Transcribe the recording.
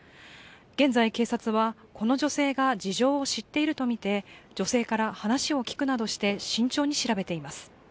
現在、警察はこの女性が事情を知っているとみて女性から話を聞くなどして慎重に調べています。